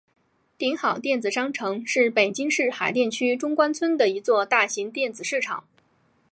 鼎好电子商城是北京市海淀区中关村的一座大型电子市场。